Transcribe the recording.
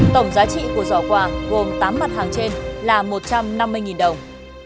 tổng giá trị của giỏ quà gồm tám mặt hàng trên là một trăm năm mươi đồng